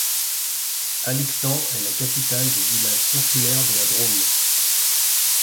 Alixan est la capitale des villages circulaires de la Drôme.